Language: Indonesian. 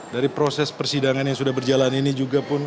dari proses persidangan yang sudah berjalan ini juga pun